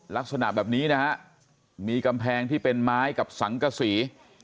ลักษณะแบบนี้นะฮะมีกำแพงที่เป็นไม้กับสังกษี